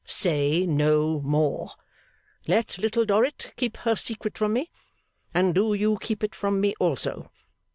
Say no more. Let Little Dorrit keep her secret from me, and do you keep it from me also.